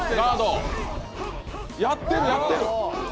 やってる、やってる！